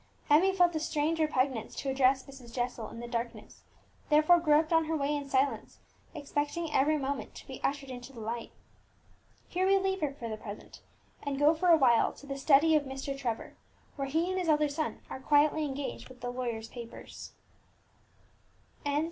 Emmie felt a strange repugnance to address Mrs. Jessel in the darkness, therefore groped on her way in silence, expecting every moment to be ushered into the light. Here we leave her for the present, and go for a while to the study of Mr. Trevor, where he and his elder son are quietly engaged with the lawyer's papers. CHAPTER XX.